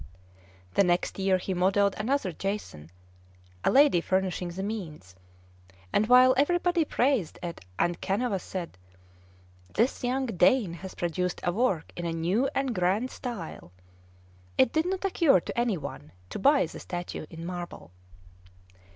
The next year he modelled another Jason, a lady furnishing the means; and while everybody praised it, and Canova said, "This young Dane has produced a work in a new and grand style," it did not occur to any one to buy the statue in marble.